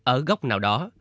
ở góc nào đó